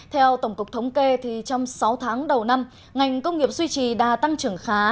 theo tổng cục thống kê trong sáu tháng đầu năm ngành công nghiệp suy trì đã tăng trưởng khá